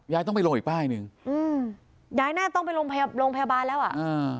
ยายต้องไปลงอีกป้ายหนึ่งอืมยายแน่ต้องไปลงลงแพร่บานแล้วอ่ะอ่า